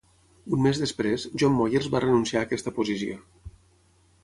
Un mes després, John Moyers va renunciar a aquesta posició.